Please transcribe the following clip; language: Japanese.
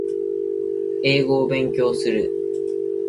英語を勉強する